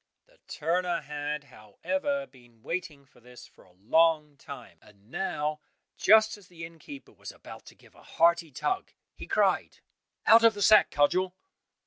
The turner had, however, been waiting for this for a long time, and now just as the inn keeper was about to give a hearty tug, he cried, "Out of the sack, Cudgel!"